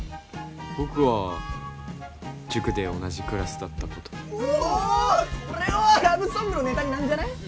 僕は塾で同じクラスだった子とうおこれはラブソングのネタになるんじゃない？